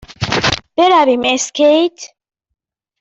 برویم اسکیت؟